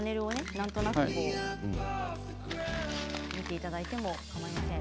なんとなく見ていただいてもかまいません。